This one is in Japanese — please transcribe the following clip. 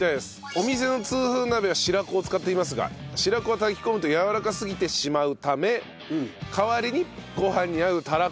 お店の痛風鍋は白子を使っていますが白子は炊き込むとやわらかすぎてしまうため代わりにご飯に合うたらこを入れたんだそう。